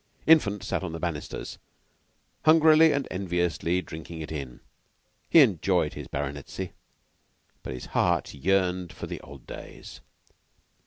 Infant sat on the banisters, hungrily and enviously drinking it in. He enjoyed his baronetcy, but his heart yearned for the old days.